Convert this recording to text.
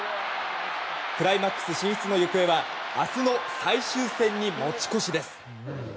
クライマックス進出の行方は明日の最終戦に持ち越しです。